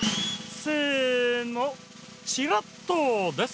せのチラッとです！